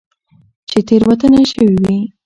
چې تيروتنه شوي وي